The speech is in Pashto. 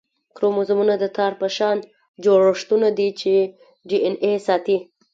کروموزومونه د تار په شان جوړښتونه دي چې ډي این اې ساتي